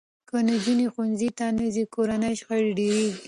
که نجونې ښوونځي ته نه ځي، کورني شخړې ډېرېږي.